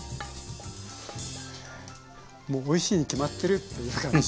もうおいしいに決まってるっていう感じ！